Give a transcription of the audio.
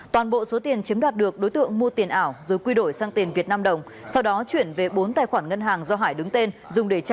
toàn bộ số tiền chiếm đạt được đối tượng mua tiền ảo rồi quy đổi sang tiền việt nam đồng sau đó chuyển về bốn tài khoản ngân hàng do hải đứng tên dùng để trả nợ và tiêu xài cá nhân